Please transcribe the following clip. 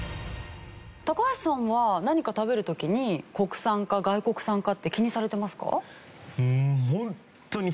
橋さんは何か食べる時に国産か外国産かって気にされてますか？